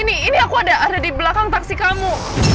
ini ini aku ada di belakang taksi kamu